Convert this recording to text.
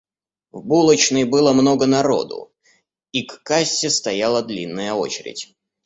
В булочной было много народу, и к кассе стояла длинная очередь.